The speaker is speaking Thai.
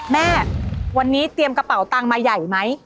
แม่วันนี้เตรียมกระเป๋าตังค์มาใหญ่ไหม